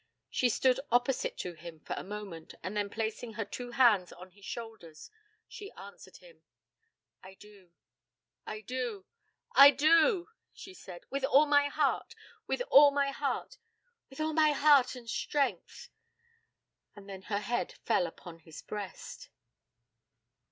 She stood opposite to him for a moment, and then placing her two hands on his shoulders, she answered him. 'I do, I do, I do,' she said, 'with all my heart; with all my heart with all my heart and strength.' And then her head fell upon his breast.